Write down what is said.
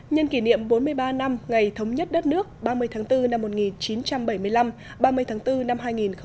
nhân kỷ niệm bốn mươi ba năm ngày thống nhất đất nước ba mươi tháng bốn năm một nghìn chín trăm bảy mươi năm ba mươi tháng bốn năm hai nghìn hai mươi